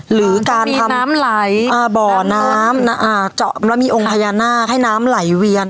หรือการทำอ่าบ่อน้ำอ่าอ่าจำแล้วมีองค์พยานาคให้น้ำไหลเวียน